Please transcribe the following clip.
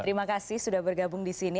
terima kasih sudah bergabung di sini